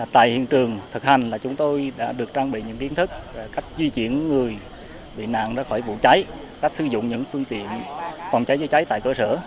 tại hiện trường thực hành là chúng tôi đã được trang bị những kiến thức về cách di chuyển người bị nạn ra khỏi vụ cháy cách sử dụng những phương tiện phòng cháy chữa cháy tại cơ sở